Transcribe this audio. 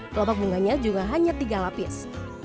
kelopak bunganya juga hanya tiga lapis